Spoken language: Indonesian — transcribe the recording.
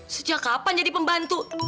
sejak kapan jadi pembantu